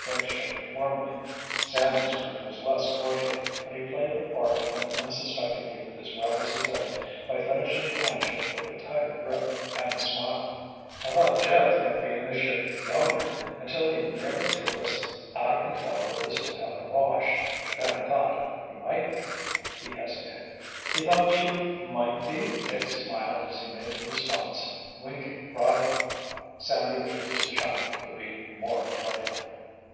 Dick shook it warmly. Sandy's grip was less cordial, but he played the part of an unsuspecting youth as well as he could by finishing the handshake with a tighter grip and a smile. "I thought Jeff might be in the ship, yonder, until he nearly threw us out of control with his propeller wash. Then I thought—he might be——" he hesitated. "He thought you might be—" Dick smiled as he made the response, winking broadly. Sandy wished his chum would be more careful.